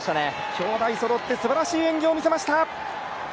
兄弟そろってすばらしい演技を見せました。